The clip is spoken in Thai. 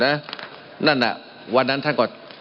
มันมีมาต่อเนื่องมีเหตุการณ์ที่ไม่เคยเกิดขึ้น